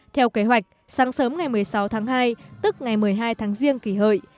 theo kế hoạch sáng sớm ngày một mươi sáu tháng hai tức ngày một mươi hai tháng riêng kỷ hợi